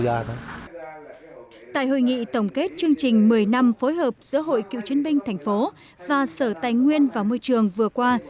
đã tổng kết chương trình một mươi năm phối hợp giữa hội cựu chiến binh thành phố và sở tài nguyên vào môi trường vừa qua